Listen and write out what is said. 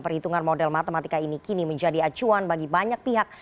perhitungan model matematika ini kini menjadi acuan bagi banyak pihak